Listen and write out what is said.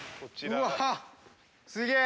うわっすげえ！